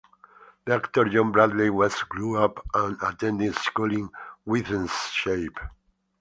The actor John Bradley-West grew up and attended school in Wythenshawe.